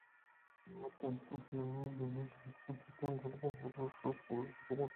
دمانے ءَ بے گوٛانکی ءَ پد آئی ءَ گاڑی تاچے ءَ راحکم دات کہ اسپاں چہ سلیج گاڑی ءَ پچ بہ کن